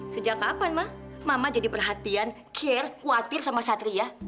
sejak kapan mah mama jadi perhatian care khawatir sama satria